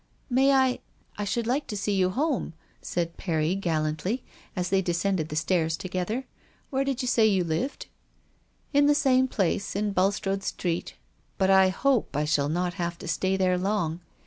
" May I — I should like to see you home ?" said Perry gallantly, as they descended the stairs together. "Where did you say you lived ?" "In the same place, in Bulstrode Street. But I hope I shall not have to stay there long.